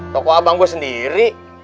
toko abang gua sendiri